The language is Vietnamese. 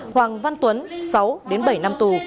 hoàng văn tuấn sáu đến bảy năm tù